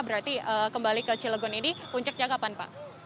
berarti kembali ke cilegon ini puncaknya kapan pak